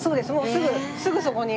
すぐすぐそこに。